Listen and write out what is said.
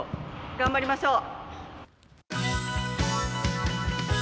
頑張りましょう。